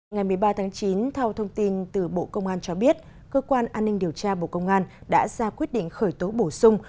ngày một mươi ba tháng chín theo thông tin từ bộ công an cho biết cơ quan an ninh điều tra bộ công an đã ra quyết định khởi tố bổ sung